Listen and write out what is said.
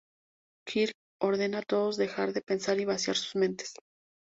Kirk ordena a todos dejar de pensar y vaciar sus mentes.